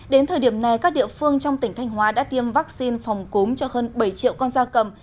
đến thời điểm này các địa phương trong tỉnh thanh hóa đã tiêm vaccine phòng cúm cho hơn bảy triệu con da cầm